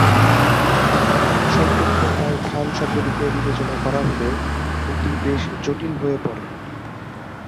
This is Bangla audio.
পাঠান সম্পৃক্ততায় খান শব্দটিকে বিবেচনা করা হলে, এটি বেশ জটিল হয়ে পরে।